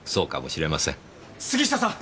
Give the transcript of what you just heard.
杉下さん！